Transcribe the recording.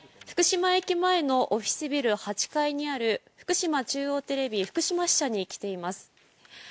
福島駅前のオフィスビル８階にある福島中央テレビ福島支社に来ています。